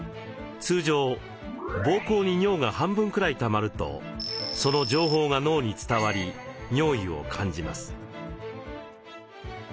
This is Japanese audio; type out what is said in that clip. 通常膀胱に尿が半分くらいたまるとその情報が脳に伝わり尿意を感じます。